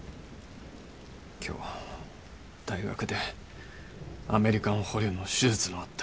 今日大学でアメリカん捕虜の手術のあった。